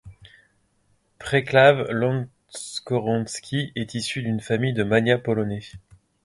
Przeclaw Lanckoroński est issu d’une famille de magnat polonais.